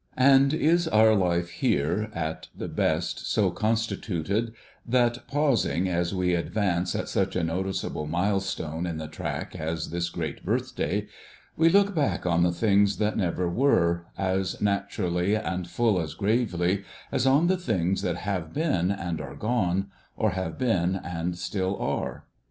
And is our life here, at the best, so constituted that, pausing as we advance at such a noticeable mile stone in the track as this great birthday, we look back on the things that never were, as naturally and full as gravely as on the things that have been and are gone, or have been and still are